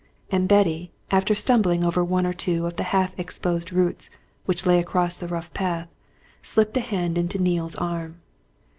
And Betty, after stumbling over one or two of the half exposed roots which lay across the rough path, slipped a hand into Neale's arm.